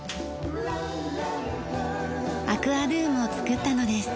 アクアルームを作ったのです。